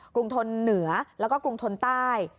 รุงทนเหนือแล้วก็กรุงทนใต้